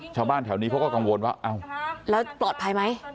ชาวบ้านแถวนี้เขาก็กังวลว่าอ้าวแล้วปลอดภัยไหม